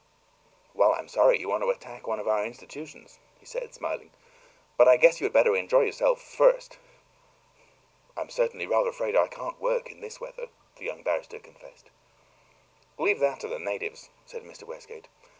"Well, I'm sorry you want to attack one of our institutions," he said, smiling. "But I guess you had better enjoy yourself FIRST!" "I'm certainly rather afraid I can't work in this weather," the young barrister confessed. "Leave that to the natives," said Mr. Westgate.